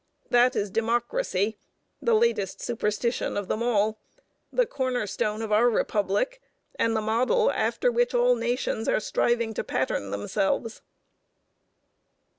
That is democracy, the latest superstition of them all, the cornerstone of our Republic, and the model after which all the nations are striving to pattern themselves.